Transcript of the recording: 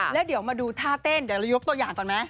แล้วเดี๋ยวมาดูท่าเต้นเดี๋ยวเรายกตัวอย่างก่อนไหม